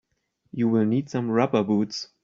You will need some rubber boots.